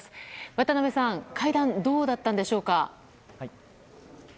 渡邊さん、会談はどうだったんでしょうか？